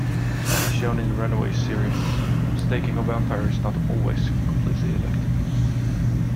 As shown in the Runaways series, staking a Vampire is not always completely effective.